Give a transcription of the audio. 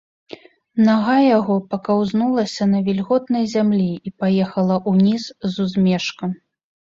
Нага яго пакаўзнулася на вільготнай зямлі і паехала ўніз з узмежка.